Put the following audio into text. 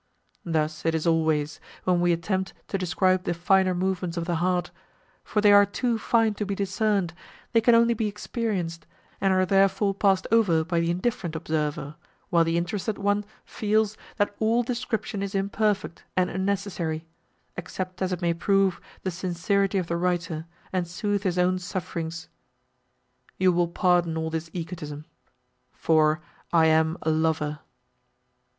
Thus it is always, when we attempt to describe the finer movements of the heart, for they are too fine to be discerned, they can only be experienced, and are therefore passed over by the indifferent observer, while the interested one feels, that all description is imperfect and unnecessary, except as it may prove the sincerity of the writer, and sooth his own sufferings. You will pardon all this egotism—for I am a lover."